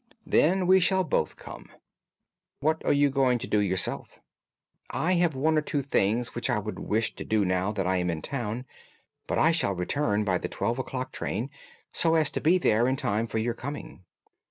"Then we shall both come. What are you going to do yourself?" "I have one or two things which I would wish to do now that I am in town. But I shall return by the twelve o'clock train, so as to be there in time for your coming."